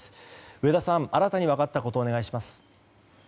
上田さん、新たに分かったことをお願いします。